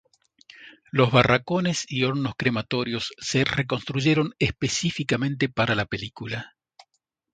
Los barracones y hornos crematorios se reconstruyeron específicamente para la película.